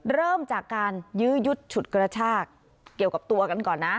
เริ่มจากการยื้อยุดฉุดกระชากเกี่ยวกับตัวกันก่อนนะ